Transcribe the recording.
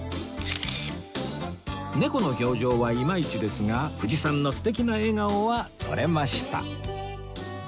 猫の表情はいまいちですが藤さんの素敵な笑顔は撮れました